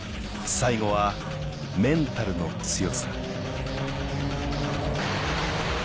最後はメンタルの強さ